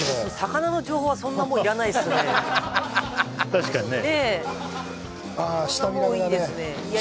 確かにね